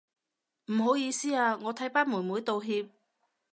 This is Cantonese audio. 唔好意思啊，我替班妹妹道歉